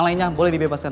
dan itu adalah black cobra